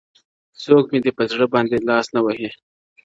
څوك مي دي په زړه باندي لاس نه وهي.